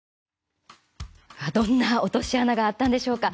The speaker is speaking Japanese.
どんな落とし穴があったんでしょうか。